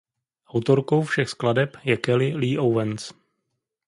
Autorkou všech skladeb je Kelly Lee Owens.